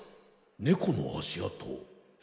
猫の足跡？